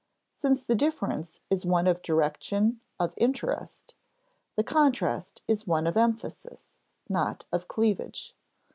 Since the difference is one of direction of interest, the contrast is one of emphasis, not of cleavage.